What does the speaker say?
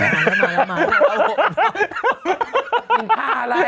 เดินเข้ามาได้